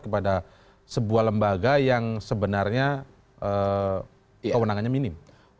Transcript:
kepada sebuah lembaga yang sebenarnya kewenangannya minim